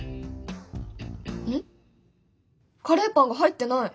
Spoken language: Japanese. カレーパンが入ってない。